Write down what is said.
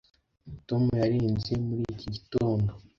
Tom yarenze muri iki gitondo